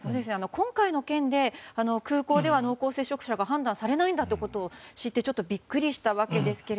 今回の件で空港では、濃厚接触者が判断されないんだということを知ってちょっとビックリしたわけですが。